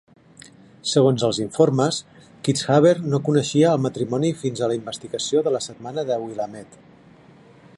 Segons els informes, Kitzhaber no coneixia el matrimoni fins a la investigació de la "Setmana de Willamette".